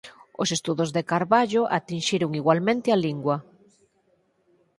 Os estudos de Carballo atinxiron igualmente a lingua.